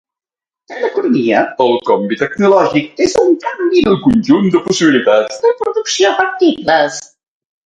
En economia, el canvi tecnològic és un canvi en el conjunt de possibilitats de producció factibles.